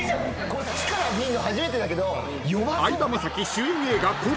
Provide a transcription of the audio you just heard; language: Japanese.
こっちから見んの初めてだけど弱そう。